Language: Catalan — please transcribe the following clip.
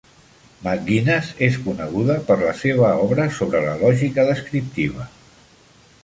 McGuinness és coneguda per la seva obra sobre la lògica descriptiva.